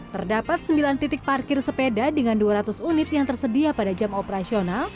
terdapat sembilan titik parkir sepeda dengan dua ratus unit yang tersedia pada jam operasional